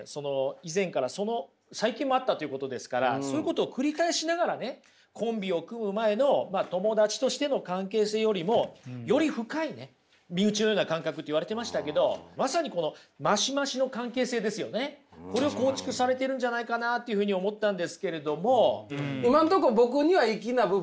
以前から最近もあったということですからそういうことを繰り返しながらねコンビを組む前の友達としての関係性よりもより深いね「身内のような感覚」って言われてましたけどまさにこれを構築されてるんじゃないかなというふうに思ったんですけれども。